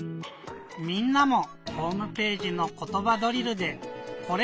みんなもホームページの「ことばドリル」で「これ」